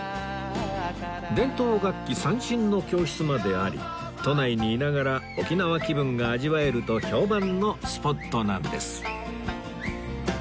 伝統楽器三線の教室まであり都内にいながら沖縄気分が味わえると評判のスポットなんです